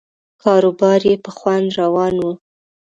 کاروبار یې په خوند روان و.